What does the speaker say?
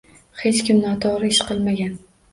Hech kim noto‘g‘ri ish qilmagan